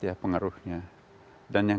ya pengaruhnya dan yang